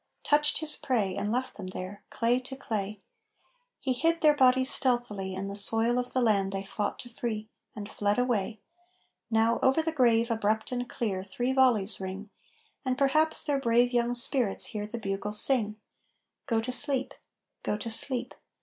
Touched his prey and left them there, Clay to clay. He hid their bodies stealthily In the soil of the land they fought to free And fled away. Now over the grave abrupt and clear Three volleys ring; And perhaps their brave young spirits hear The bugle sing: "Go to sleep! Go to sleep!